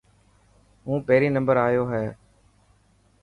هون پهريون نمبر آيو هي.